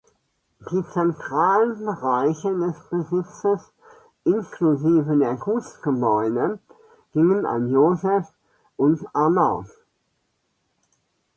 Die zentralen Bereiche des Besitzes inklusive der Gutsgebäude gingen an Joseph und Arnaud.